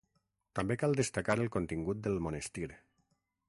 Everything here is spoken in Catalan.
També cal destacar el contingut del monestir.